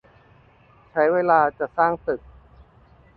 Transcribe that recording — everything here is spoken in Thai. ใช้เวลาจะสร้างตึก